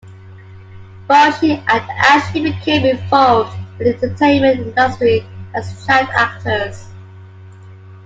Both she and Ashley became involved in the entertainment industry as child actors.